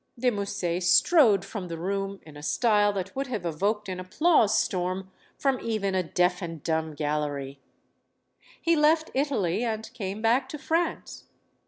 De Musset strode strode from the room in a style that would have evoked an applause storm from even a deaf and dumb gallery. He left Italy and came back to France.